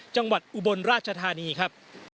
จังหวัดอุบลราชธานีครับ